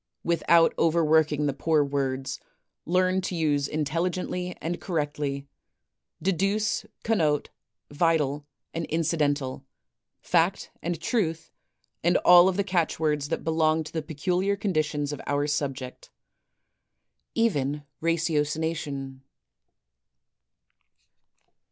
Without overworking the poor words, learn to use intelli gently and correctly — deduce, connote; vital, and incidental; fact, and truth; and all of the catch words that belong to the peculiar conditions of our subject, — even ratiocination.